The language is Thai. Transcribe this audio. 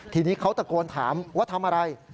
ทีนี้เขาตะโกนถามว่าทำอะไร